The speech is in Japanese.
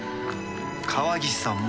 川岸さんも。